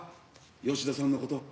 吉田さんのこと。